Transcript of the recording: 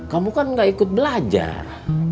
kamu kan gak ikut belajar